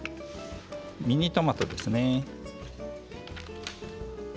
ミニトマトですね。